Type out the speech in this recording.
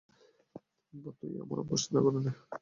আব্বে, তুই আমার অভ্যাস করে নে!